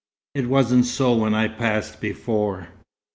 "It wasn't so when I passed before."